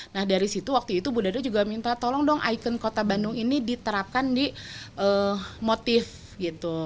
nah dari situ waktu itu bu dada juga minta tolong dong ikon kota bandung ini diterapkan di motif gitu